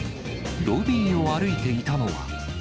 ロビーを歩いていたのは。